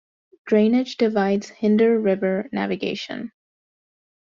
Drainage divides hinder river navigation.